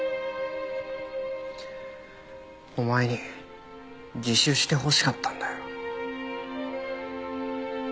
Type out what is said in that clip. お前に自首してほしかったんだよ。